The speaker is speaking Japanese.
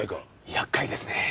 厄介ですね。